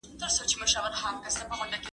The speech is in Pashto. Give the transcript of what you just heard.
زه به اوږده موده پاکوالي ساتلي وم؟